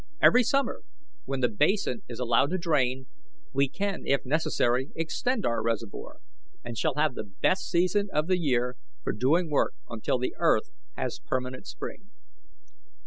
Every summer, when the basin is allowed to drain, we can, if necessary, extend our reservoir, and shall have the best season of the year for doing work until the earth has permanent spring.